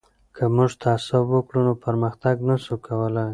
که موږ تعصب وکړو نو پرمختګ نه سو کولای.